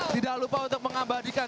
tidak lupa untuk mengabadikan